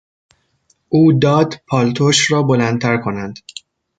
او داد پالتوش را بلندتر کنند.